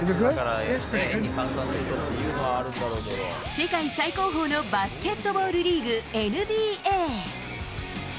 世界最高峰のバスケットボールリーグ、ＮＢＡ。